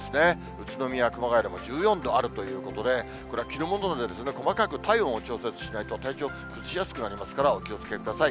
宇都宮、熊谷でも１４度あるということで、これは着るもので細かく体温を調節しないと、体調を崩しやすくなりますから、お気をつけください。